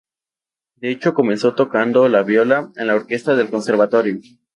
De hecho comenzó tocando la viola en la orquesta del Conservatorio.